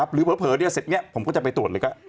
เผลอเสร็จนี้ผมก็จะไปตรวจเลยก็